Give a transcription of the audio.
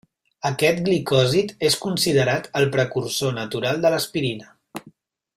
Aquest glicòsid és considerat el precursor natural de l'aspirina.